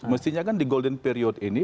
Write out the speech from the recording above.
mestinya kan di golden period ini